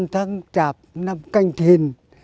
một mươi năm tháng chạp năm canh thìn